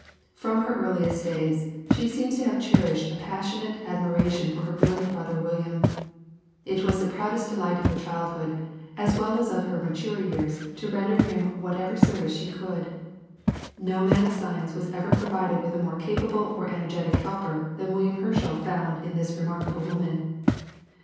From her earliest days she seems to have cherished a passionate admiration for her brilliant brother William. It was the proudest delight of her childhood as well as of her mature years to render him whatever service she could; no man of science was ever provided with a more capable or energetic helper than William Herschel found in this remarkable woman.